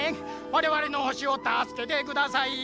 「われわれの星をたすけてください」。